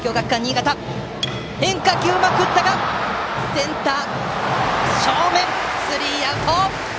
センター正面でスリーアウト！